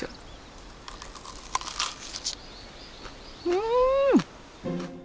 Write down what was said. うん！